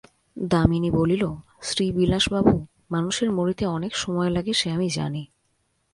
দামিনী বলিল, শ্রীবিলাসবাবু, মানুষের মরিতে অনেক সময় লাগে সে আমি জানি।